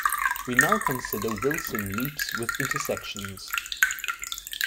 We now consider Wilson loops with intersections.